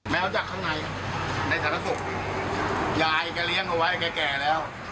แมวจากข้างในในศาสตรกยายก็เลี้ยงเขาไว้แก่แล้ว